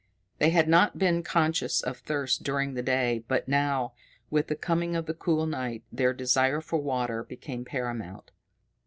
They had not been conscious of thirst during the day, but now, with the coming of the cool night their desire for water became paramount.